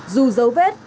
dù dấu vết